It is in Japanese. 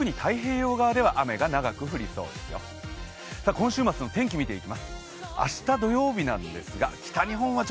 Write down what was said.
今週末の天気を見ていきます。